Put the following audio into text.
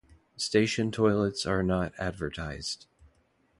Station toilets are not advertised.